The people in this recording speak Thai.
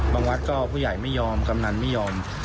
วัดก็ผู้ใหญ่ไม่ยอมกำนันไม่ยอม